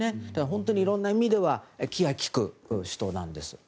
本当にいろんな意味で気が利く人なんです。